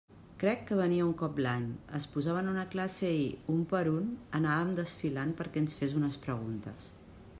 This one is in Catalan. Crec que venia un cop l'any, es posava en una classe i, un per un, anàvem desfilant perquè ens fes unes preguntes.